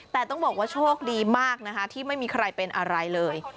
แต่ต้องบอกว่าโชคดีมากนะคะที่ไม่มีใครเป็นอะไรเลย